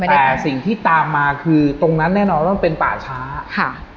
แต่สิ่งที่ตามมาคือตรงนั้นแน่นอนว่ามันเป็นป่าช้าค่ะ